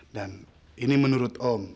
dan ini menurut om